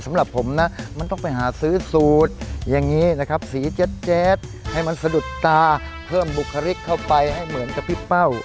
สำหรับผมนะมันต้องไปหาซื้อสูตรอย่างนี้นะครับสีแจ๊ดให้มันสะดุดตาเพิ่มบุคลิกเข้าไปให้เหมือนกับพี่เป้า